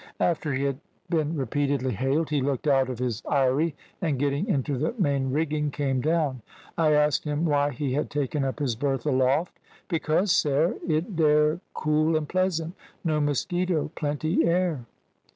After he had been repeatedly hailed, he looked out of his eyrie, and getting into the main rigging came down. I asked him why he had taken up his berth aloft. "`Because, sare, it dare cool and pleasant; no mosquito; plenty air.'